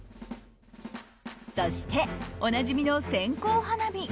そして、おなじみの線香花火。